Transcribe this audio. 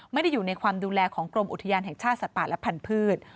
ไม่ได้อยู่ในความดูแลของกรมอุทยานแห่งชาติสัตว์ป่าและพันธุ์